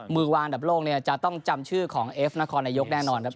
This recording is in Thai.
มือวางอันดับโลกเนี่ยจะต้องจำชื่อของเอฟนครนายกแน่นอนครับ